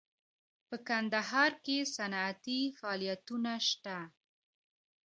په کندهار کې صنعتي فعالیتونه شته